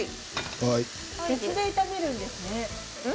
別で炒めるんですね。